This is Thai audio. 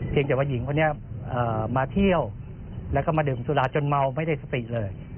แต่ว่าหญิงคนนี้มาเที่ยวแล้วก็มาดื่มสุราจนเมาไม่ได้สติเลย